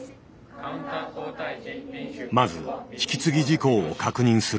まず引き継ぎ事項を確認する。